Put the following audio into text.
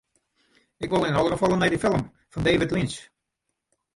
Ik wol yn alle gefallen nei dy film fan David Lynch.